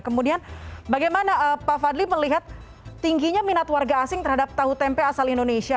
kemudian bagaimana pak fadli melihat tingginya minat warga asing terhadap tahu tempe asal indonesia